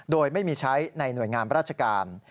โดยไม่มีใช้ในหน่วยงานราชการ